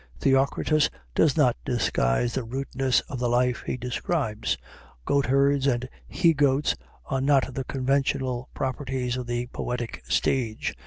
Theocritus does not disguise the rudeness of the life he describes; goat herds and he goats are not the conventional properties of the poetic stage.